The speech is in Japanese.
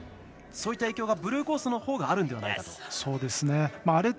そういった影響がブルーコースのほうがあるんではないでしょうか？